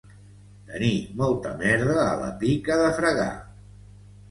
Tenir molta merda a la pica de fregar.